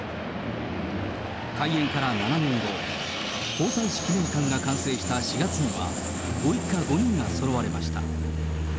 開園から７年後、皇太子記念館が完成した４月には、ご一家５人がそろわれました。